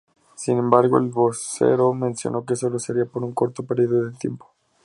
Sin embargo, el vocero mencionó que solo seria por un corto período de tiempo.